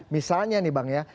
misalnya nih bang ya